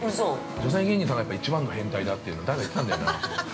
◆女性芸人さんが一番の変態だっていうの誰か言ってたんだよな。